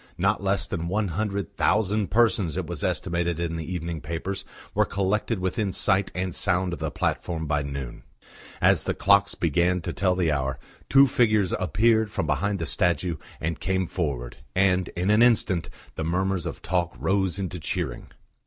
Not less than one hundred thousand persons, it was estimated in the evening papers, were collected within sight and sound of the platform by noon. As the clocks began to tell the hour, two figures appeared from behind the statue and came forward, and, in an instant, the murmurs of talk rose into cheering.